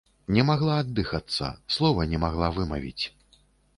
Не магла аддыхацца, слова не магла вымавіць.